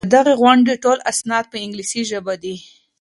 د دغي غونډې ټول اسناد په انګلیسي ژبه دي.